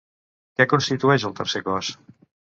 Què constitueix el tercer cos?